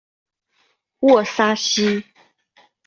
沃沙西。